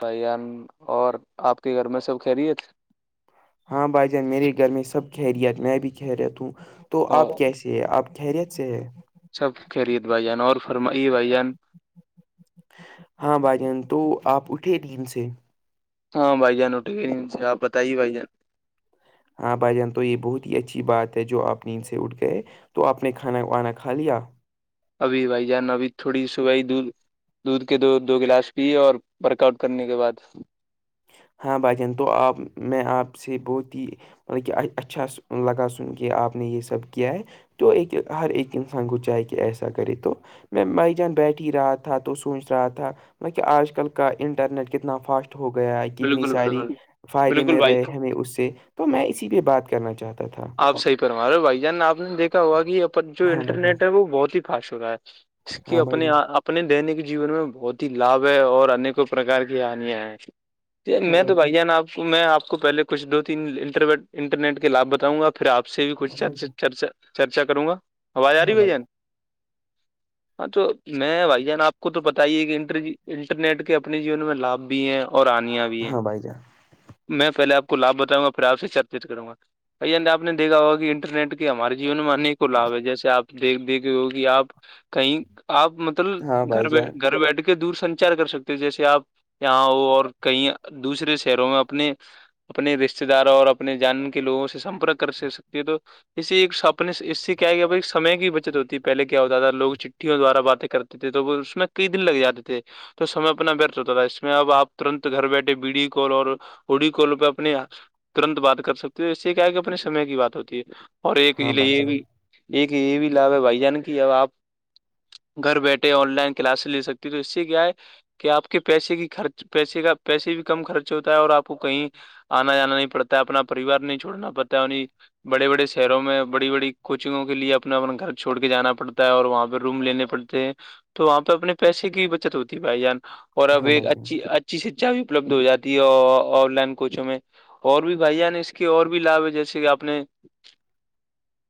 بھائی جان اور آپ کے گھر میں سب خیریت ہاں بھائی جان میرے گھر میں سب خیریت میں بھی خیریت ہوں تو آپ اور کیسے ہے آپ خیریت سے ہے سب خریت بھائی جان اور فرمائیے بھائی جان ہاں بھائی جان تو آپ اٹھے دین سے ہاں بھائی جان اٹھ گئے نہیں ان سے آپ بتائیے بھائی جان ہاں بھائی جان تو یہ بہت ہی اچھی بات ہے جو آپ نیند سے اٹھ گئے تو آپ نے کھانا وانا کھا لیا ابھی بھائی جان ابھی تھوڑی صبح ہی دودھ دودھ کے دو دو گلاس پیے اور ورک آؤٹ کرنے کے بعد ہاں بھائی جان تو آپ میں آپ سے بہت ہی مطلب کہ اچھا لگا سن کے آپ نے یہ سب کیا ہے تو ایک ہر ایک انسان کو چاہے کہ ایسا کرے تو میں بھائی جان بیٹھ ہی رہا تھا تو سوچ رہا تھا مط کہ آج کل کا انٹرنیٹ کتنا فاسٹ ہو گیا ہے کتنی بالکل ساری بالکل فائدے بالکل مل بھائی رہے جان ہمیں اس سے تو میں اسی پہ بات کرنا چاہتا تھا آپ صحیح فرما رہے ہو بھائی جان آپ نے دیکھا ہوگا کہ یہ جو ہاں بھائی جان انٹرنیٹ ہے وہ بہت ہی فاسٹ ہو رہا ہے اس کی ہاں بھائی اپنے جان اپنے دینک جیون میں بہت ہی لابھ ہے اور انیک پرکار کی ہانیاں ہیں میں تو بھائی جان آپ کو میں آپ کو پہلے کچھ دو تین انٹرٹ انٹرنیٹ کے لابھ بتاؤں گا پھر آپ سے بھی کچھا چرچا کروں گا آواز آ رہی ہاں ہے بھائی جان [inaudible] ہاں تو میں بھائی جان آپ کو تو پتا ہی ہے کہ انٹر انٹرنیٹ کے اپنے جیون میں لابھ بھی ہیں اور آنں بھی ہیں ہاں بھائی جان میں پہلے آپ لھ بتاؤں گا پھر آ سے چرچت کروں گا ب آپ نے دیکا ہوگا کہ انٹرنیٹ کے ہمارے جیون میں انیکوں لابھ ہے جیسے آیک دیکھے ہو کہ آپ کہیں آپ ہاں مطلب بھائی گھر بی جان گھر بیٹھ کے دور سنچار کر سکتے ہو جیسے آپ یہاں ہو اور کہیں دوسرے شہروں میں اپنے اپنے رشتے داروں اور اپنے جان کے لوگوں سے سمپرک کر سکتی ہے تو اس سے ایک سپنے اس سے کیا کیا بھائی سمے کی بچت ہوتی ہے پہلے کیا ہوتا تھا لوگ چ وں دوارا باتیں کرتے تھے تو وہ اس میں کئی دن لگ جاتے تھے تو سمے اپنا ورت ہوتا تھا اس میں اب آپ ترنت گھر بیٹھے بیڑی کو اور اڈی کال پہ اپنے ترنت بات کر سکتے ہو کیا کہ اپنے سمے کی بات ہوتی ہے اور ایک یہ ہاں بھائی لیے یہ جان بھی ایک یہ بھی لاب ہے بھائی جان کی اب آپ گھر بیٹھے آن لائن کلاس لے سکتی تو اس سے کیا ہے کہ آپ کے پیسے کی خرچ پیسے کا پیسے بھی کم خرچ ہوتا ہے اور آپ کو کہیں آنا جانا نہیں پڑتا اپنا پریوار نہیں چوڑنا پڑتا انی بڑے بڑے شہروں میں بڑی بڑی کوچنگوں کے لیے اپنا اپنا گھر چھوڑ کے جانا پڑتا ہے اور وہاں پہ روم لینے پڑتے ہیں تو وہاں پہ اپنے پیسے کی بچت ہوتی بھائی جان اور اب ہاں ایک بھائی جان اچھی اچ ا شکھا بھی اپلبدھ ہو جاتی ہے آن لائن کوچوں میں اور بھی بھائی نے اس کے اور بھی لاے جیسے کہ اپنے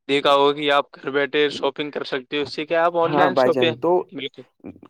دیکھا ہوگا آپ گھر بیٹھے شاپنگ کر سکتے تو اسی کے آپ آن ہاں لائن بھائی شاپیا جان تو بالکل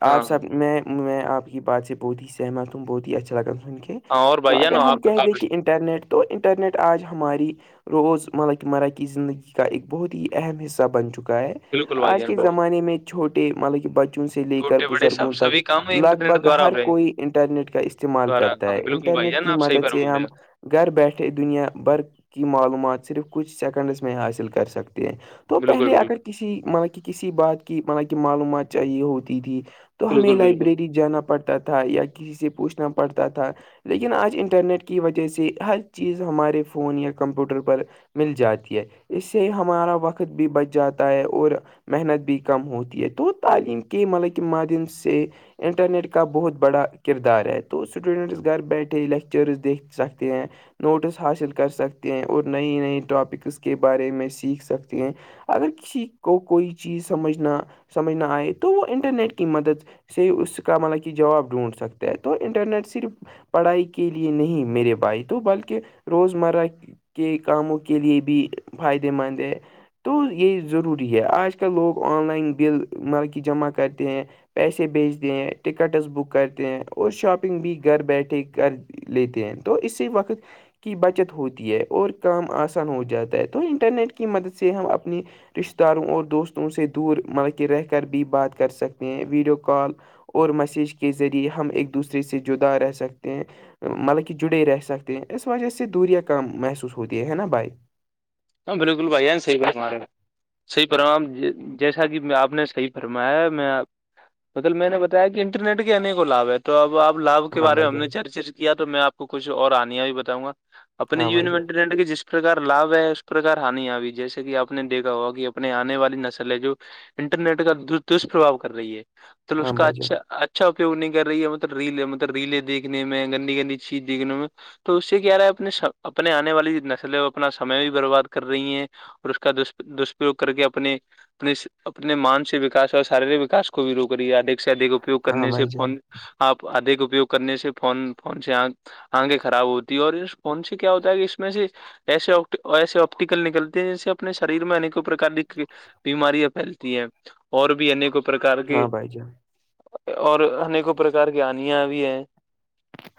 ہاں آپ ہاں سب [inaudible] میں میں آپ کی بات سے بہت ہی سہمت ہوں بہت ہی اچھا لگا ان کے ہاں اور تو بھائی جان اگر ہم آپ کہہ دیں آپ کہ ان انٹرنیٹ تو انٹرنیٹ آج ہماری روز مارا کی مرا کی زندگی کا ایک بہت ہی اہم حصہ بن چکا ہے بالکل بھائی آج کے جان زمانے میں چھوٹے مطلب کہ بچوں سے لے کر چھوٹے بڑے بزرگوں سب سبھی کام تک لگ انٹرنیٹ بھگ دوارا ہر ہو رہے ہیں کوئی انٹرنیٹ کا استعمال دوارا کرتا ہاں ہے بالکل بھائی انٹرنیٹ جان کی آپ صحیح مدد سے فرما رہے ہم ہو گھر بیٹھے دنیا بھر کی معلومات صرف کچھ سیکنڈس میں حاصل کر سکتے ہیں تو بالکل پہلے بالکل اگر کسی مل کی کسی بات کی مط کی معلومات چاہیے ہوتی تھی تو ہمیں بالکل بالکل لائبریری جانا پڑتا تھا یا کسی سے پوچھنا پڑتا تھا لیکن آج انٹرنیٹ کی وجہ سے ہر چیز ہمارے فون یا کمپیوٹر پر مل جاتی ہے اس سے ہمارا وقت بھی بچ جاتا ہے اور محنت بھی کم ہوتی ہے تو تعلیم کے مل کے مادم سے انٹرنیٹ کا بہت بڑا کردار ہے تو اسٹوڈنٹس گھر بیٹھے لیکچرز دیکھ سکتے ہیں نوٹس حاصل کر سکتے ہیں اور نئی نئی ٹاپکس کے بارے میں سیکھ سکتے ہیں اگر کسی کو کوئی چیز سمجھنا سمجھ نہ آئے تو وہ انٹرنیٹ کی مدد سے اس کا مطلب کہ جواب ڈھونڈ سکتا ہے تو انٹرنیٹ صرف پڑھائی کے لیے نہیں میرے بھائی تو بلکہ روزمرہ کے کاموں کے لیے بھی فائدے مند ہے تو یہ ضروری ہے آج ک آج کل لوگ آن لائن بل مر کی جمع کرتے ہیں پیسے بیچتے ہیں ٹکٹس بک کرتے ہیں اور شاپنگ بھی گھر بیٹھے کر لیتے ہیں تو اسی وقت کی بچت ہوتی ہے اور کام آسان ہو جاتا ہے تو انٹرنیٹ کی مدد سے ہم اپنی رشت داروں اور دوستوں سے دور مطلب کہ رہ کر بھی بات کر سکتے ہیں ویڈیو کال اور میسیج کے ذریعے ہم ایک دوسرے سے جدا رہ سکتے ہیں مطلب کہ جڑے رہ سکتے ہیں اس وجہ سے دوریاں کام محسوس ہوتی ہے نا بھائی ہ بالکل بھائی ج صیح ب سناے [unintelligible] صحیح فرم جیسا کہ آپ نے صحیح فرمایا ہے میںپ [inaudible] مطلب میں نے بتایا کہ انٹرٹ کے آنے کو لابھ ہے تو اب آپ لابھ کے ہاں بارے بھائی میں ہم نے جان چرچر کیا تو میں آپ کو کچھ اور آنایا بھی بتاؤں گا اپنے ہاں جیون بھائی میں جان منٹ رہڈ کہ جس پرکار لابھ ہے [inaudible] پرکار ہانی آئی جیسے کہ آپ نے دیکا ہوا کہ اپنے آنے والی نسل ہے جو انٹرنیٹ کا دشپربھو کر رہی ہے تو اس ہاں کا بھائی جان اچھا [inaudible] اچھا اپیو نہیں کر رہی ہے مطلب ریل مطلب ریلے دھنے میں گندی گندی چیز دیکنے میں تو اس سے کیا رہا ہے اپنے اپنے آنے والی نسل اپنا سمے بھی برباد کر رہی ہیں اور اس کا دپرریوگ کر کے اپنے اپنے اپنے مانسک وکاس اور شارییرک وکا کوورو کریے ادک سے ادک اپیوگ ہاں کرنے سے بھائی جان فون آپ ادھیک اپیوگ کرنے سے فون فون سے آ آنگیں خراب ہوتی ہے اور اس ان سے کیا ہوتا ہے کہ اس میں سے ایے ایسے ٹیکل نکلتی ہیں جس سے اپنے شریر میںیک پرک کی بیماریاں پھیلتی ہیں اور بھی ان کو پرکار کے ہاں بھائی جان اور انیکوں پرکار کی آنیاں بھی ہیں [inaudible]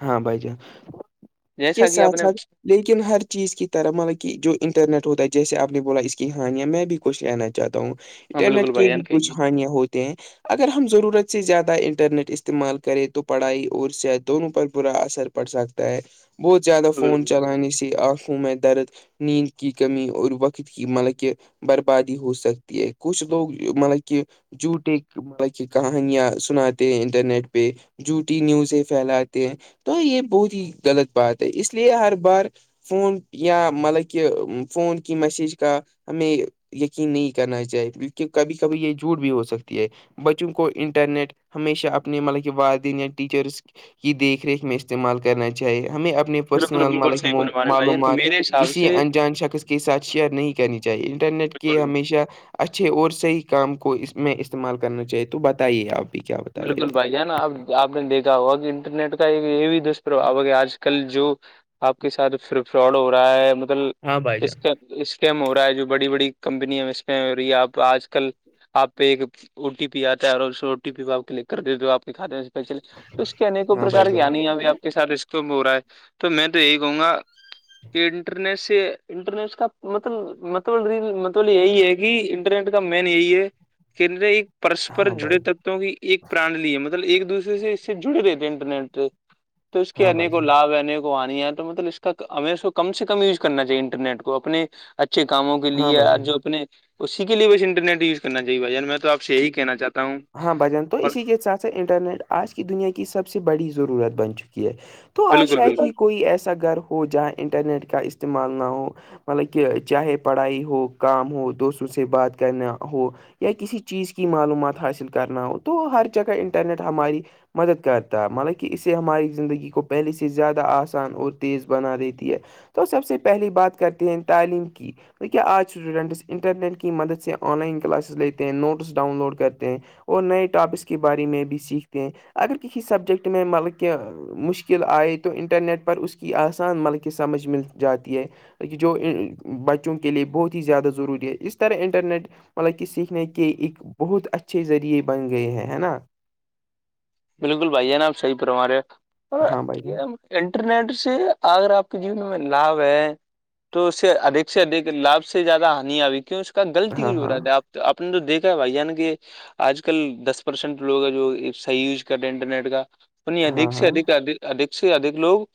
ہاں بائی جے جیسا س کہ آپ نے س [inaudible] لیکن ہر چیز کی طرح مطلب کہ جو انٹرنیٹ ہوتا ہے جیسے آپ نے بولا اس کی ہانیاں میں بھی کچھ لنا چاہتا ہوں ہاں اٹر نٹ بالکل بھائی کی بھی جان کچھ کہیے ہانیاں ہوتی ہیں اگر ہم ضرورت سے زیادہ انٹرنیٹ استعمال کریں تو پڑھائی اور س دونوں پر برا اثر پڑ سکتا ہے بہت زیادہ فون چلانے سی آنکھوں میں درد نیند کی کمی اور وقت کی مطلب کہ بربادی ہو سکتی ہے کچھ لوگ مطلب کہ جوٹ کی کہانیاں سناتے ہیں انٹرنیٹ پہ جو ٹی نیوز ہے پھیلاتے ہیں تو یہ بہت ہی غلط بات ہے اس لیے ہر بار فون یا مطلب کہ فون کی میسج کا ہمیں یقین نہیں کرنا چاہی کیکہ کبھی کبھی یہ جھوٹ بھی ہو سکتی ہے بچوں کو انٹرنیٹ ہمیشہ اپنے مطلب کہ ودین یا ٹیچرس کی دیکھ ریکھ میں استعمال کرنا چاہیے ہمیں اپنے بالکل پرسنل بالکل ملک صحیح فرما رہے بھائی جان معلومات میرے حساب کسی سے انجان شخص کے ساتھ شیئر نہیں کرنی چاہیے انٹرنیٹ کے بالکل ہمیشہ اچھے اور صحیح کام کو اس میں استعمال کرنا چاہیے تو بتائیے آپ بھی کیا بتا رہے بالکل تھے بھائی ہے نا اب آپ نے دیکھا ہوگا کہ انٹرنیٹ کا یہ بھی دشپرباو ہے کہ آج کل جو آپ کے ساتھ فراڈ ہو رہا ہے مطلب اس کا اسکم ہو رہا ہے جو بڑی بڑی کمپنی اسکم ہو رہی ہے آپ آج کل آپ پہ ایک او ٹی پی آتا ہے اور اس او ٹی پی پ آپ کلک کر دیتے ہو آپ نےکھات پلے تو اس کے ایکوں ہاں پرک بھائی جان کیانی ابھی آ کے ساتھ اسک ب ہو رہا ہے تو میں تو یہی کہوں گا کہ انٹرنیٹ سے انٹرنیٹ کا مطلب متولی متول یہی ہے کہ ٹ کا مین یہی ہے کہ پرسپر ہاں جڑے بھائی تتتووں کی ایک پران لی ہے مطلب ایک دوسرے سے اس سے جڑے رہتے ہیں انٹرنیٹ سے تو اس کے ہاں بھائی انیکوں جان لابھ ہے انیکوں آنی ہے تو مطلب اس کا ہمیں اس کو کم سے کم یوز کرنا چاہیے انٹرنیٹ کو اپنے اچھے کاموں کے ہاں لیے بھائی آ جان جو اپنے اسی کے لیے بس انٹرنیٹ وز کرنا چاہے بھائی جان میں تو آ سے یہی کہنا چاہتا ہوں ہاں بجن تو اور اسی کے ساتھ سھ انٹرنیٹ آج کی دنیا کی سب سے بڑی ضرورت بن چکی ہے تو آج بالکل شاید ہی بالکل کوئی ایسا گھر ہو جہاں انٹرنیٹ کا استعمال نہ ہو مطلب کہ چاہے پڑھائی ہو کام ہو دوستوں سے بات کرنا ہو یا کسی چیز کی معلومات حاصل کرنا ہو تو ہر جگہ انٹرنیٹ ہماری مدد کرتا ہے مالکہ اسے ہماری زندگی کو پہلے سے زیادہ آسان اور تیز بنا دیتی ہے تو سب سے پہلی بات کرتے ہیں تعلیم کی تو کیا آج اسٹوڈنٹس انٹرنیٹ کی مدد سے آن لائن کلاسز لیتے ہیں نوٹس ڈاؤن لوڈ کرتے اور نئے ٹاپکس کے بارے میں بھی سیکھتے ہیں اگر کسی سبجیکٹ میں مطلب کہ مشکل آئے تو انٹرنیٹ پر اس کی آسان ملکہ سمجھ مل جاتی ہے جو بچوں کے لے بہت ہی زیادہ ضروری ہے اس طرح انٹرنیٹ مطلب کہ سیکھنے کے ایک بہت اچھے ذریعے بن گئے ہیں ہے نا بالکل بھائی ہے نا آب سحی پرمارے پر ہاں بھائی جان یہ انٹرنیٹ سے اگر آپ کے جیون میں لابھ ہے تو اس سے ادھک سے ادھک لابھ سے زیادہ ہانی آئی کیوں اس کا غلطی ہاں ہو ہاں رہا تھا آپ تو آپ نے تو دیکھا ہے بھائی یعنی کہ آج کل دس پرسینٹ لوگ ہے جو صحی ز انٹرنیٹ کا پ ہاں ادک سے ہاں اک ا ادک سے ادک لوگ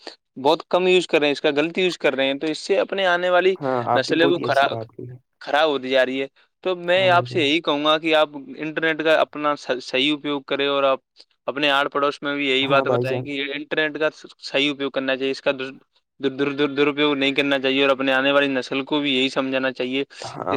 بہت کم یوز کرے ہیں اس کا غلط یوز کر رہے ہیں تو اس سے اب اپنے آنے والی ہاں آپ نے نسلیں بہت وہ ہی اچھی خراب بات کی ہے خراب ہوتی جا رہی ہے تو میں ہاں آپ بھائی جان سے یہی کہوں گا کہ آپ انٹرنیٹ کا اپنا صحیح اپیوگ کریں اور آپ اپنے آڑ پڑوس میں بھی یہی ہاں بات بھائی بتائ جان کہ انٹرنیٹ کا صحی اپیوگ کرنا چاہیے اس کا د دور در درپیوگ نہیں کرنا چاہیے اور اپنے آنے والی نسل کو بھی یہی سمجھانا چاہیے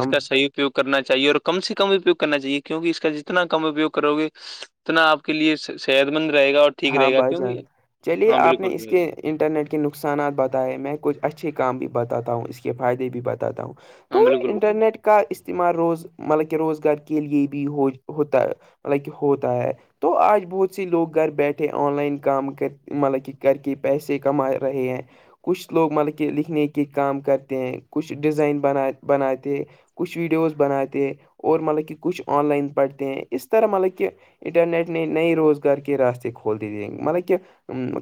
اس کا سی اپیوگ کرنا چاہیے اور کم سے کم اپیوگ کرنا چاہیے کیونکہ اس کا جتنا کم اپیگ کرو گے اتنا آپ کے لیے صحت مند رہےا اور ٹھیک ہاں رہے گا بھائی جان کیونکہ چلیے ہاں آپ نے بالکل اس کے انٹرنیٹ کے نقصانات بتائے میں کچھ اچھے کام بھی بتاتا ہوں اس کے فائدے بھی بتاتا ہوں ہاں تو بالکل بالکل انٹرنیٹ کا استعمال روز مطلب کہ روزگار کے لیے بھی ہو ہوتا ہے مطلب کہ ہوتا ہے تو آج بہت سی لوگ گھر بیٹھے بیٹھے آن لائن کام کر مطلب کہ کر کے پیسے کما رہے ہیں کچھ لوگ مطلب کہ لکھنے کے کام کرتے ہیں کچھ ڈیزائن بن بناتے کچھ ویڈیوز بناتے ہیں اور مطلب کہ کچھ آن لائن پڑھتے ہیں اس طرح مطلب کہ انٹرنیٹ نے نئے روزگار کے راستے کھول دیے دیے مطلب کہ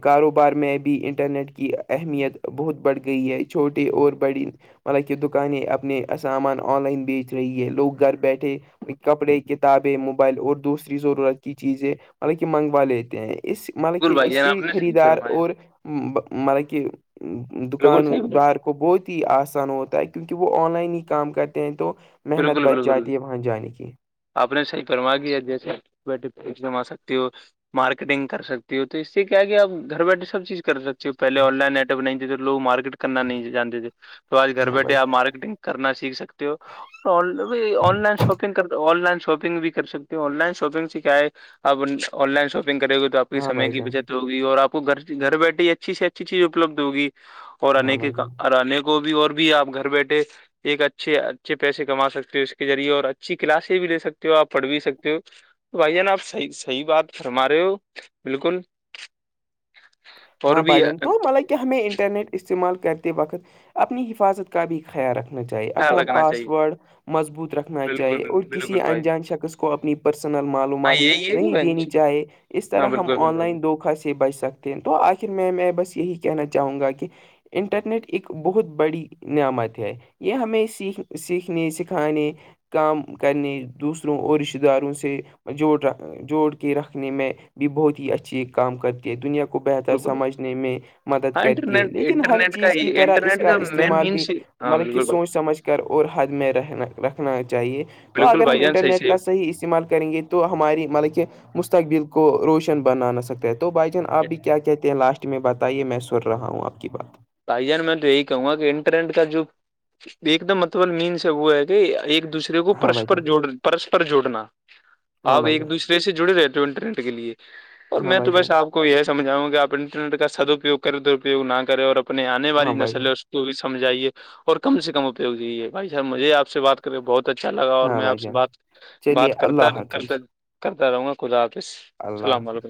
کاروبار میں بھی انٹرنیٹ کی اہمیت بہت بڑھ گئی ہے چھوٹے اور بڑی مطلب کہ دکانیں اپنے سامان آن لائن بیچ رہی ہے لوگ گھر بیٹھے کپڑے کتابیں موبائل اور دوسری ضرورت کی چیزیں مطلب کہ منگوا لیتے ہیں اس مطلب کہ بھائی اس جان سے آپ نے صحیح خریدار فرمایا اور مطلب کہ بالکل صحیح دکاندار بہت ہی آسان ہوتا ہے کیونکہ وہ آن لائن ہی کام کرتے ہیں تو محنت بالکل بچ بالکل جاتی ہے وہاں جانے کی آپ نے صحیح فرما کیا جیسے بیٹھےما سکتی ہو مارکیٹنگ کر سکتی ہو تو اس سے کیا کیا آپ گھر بیٹھے سب چیز کر سکتے پہل آن لائن نیٹ ورک نہیں تھے تو لوگ مارکیٹ کرنا نہیں جانتے تھے تو آج گھر ہاں بھائی بیٹھے آپ مارکیٹنگ کرنا سیکھ سکتے ہو آن لائن شاپنگ کر آن لائن شاپنگ بھی کر سکتی ہوں آن لائن شاپنگ سے کیا ہے اب آن لائن شاپنگ کرے گی تو تو آپ کی ہاں سمے بھائی کی جان بچت ہوگی اور آپ کو گھر گھر بیٹھے ہی اچھی سے اچھی چیز اپلبدھ ہوگی اور ہاں آنے کے بھائی جان آنے کو بھی اور بھی آپ گھر بیٹھے ایک اچھے اچھے پیسے کما سکتے ہو اس کے ذریعے اور اچھی کلاسیں بھی دے سکتے ہو آپ پڑھ بھی سکتے ہو تو بھائی جان آپ صحیح صحی بات فرما رہے ہو بالکل [inaudible] اور ہاں بھی بھائی جان تو خیال مطلب کہ ہمیں انٹرنیٹ استعمال کرتے وقت اپنی حفاظت کا بھی خیال رکھنا چاہیے اپنا رکھنا چاہیے پاسورڈ مضبوط رکھنا بالکل چاہیے اور کسی بالکل بھائی انجان شخص کو کو اپنی پرسنل ہاں معلومات یہی ہے نہیں بہن دینی جی، چاہے اس ہاں طرح ہم بالکل آن بالکل لائن دھوکھا سے بچ سکتے ہیں تو آخر میں میں بس یہی کہنا چاہوں گا کہ انٹرنیٹ ایکک بہت بڑی نعمت ہے یہ ہمیں سیکھ سیکھنے سکھانے کام کرنے دوسروں اور رشتتے داروں سے جوڑ جوڑ کے رکھنے میں بھی بہت ہی اچھی کام کرتی ہے دنیا کو کو بہتر بالکل سمجھنے میں مدد ہاں کرتی ہے انٹرنیٹ لیکن ہر انٹرنیٹ کا چیز کی طرح اس انٹرنیٹ کا مین استعمال بھی مینس ہاں مطلب کہ بالکل بھائی سوچ سمجھ کے کر اور حد میں رہنا رکھنا چاہیے تو بالکل اگر ہم بھائی جان انٹرنیٹ کا صحیح استعمال کریں گے تو ہماری مطلب کہ مستقبل کو روشن بنانا سکتا ہے تو بھائی چان آپ بھی کیا کیا کہتے ہیں لاسٹ میں بتائیے میں سن رہا ہوں آپ کی بات بھائی جان میں تو یہی کہوں گا کہ انٹرنٹ کا جو ایک دم مطب مین سے وہ ہے کہ ایک دوسرے کو ہاں بھائی پرسپر جان جوڑ پرسپر جوڑنا ہاں آپ بھائی ایک جان دوسرے سے جڑے رہتے ہ انٹرنیٹ کے لیے اور ہاں میں بھائی تو جان بس آپ کو کو یہ سمجھاؤں گ کہ آپ انٹرنیٹ کا سدپیوگ کریں درپیگ نہ کرے اور اپنے آنے والی ہاں بھائی جان نسلیں توی سمھائیے اور کم سے کم اپیوگ یہیے بھائی صحب مجھے آ سے بات بہت اچھا لگا اور ہاں میں آپ بھائی سے جان بات چلیے بات کرتا اللہ کرتا حافظ کرتا رہوں گا خدا آپس اللہ حافظ